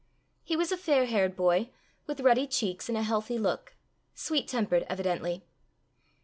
He was a fair haired boy, with ruddy cheeks and a healthy look sweet tempered evidently.